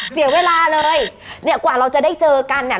เสียเวลาเลยเนี่ยกว่าเราจะได้เจอกันเนี่ย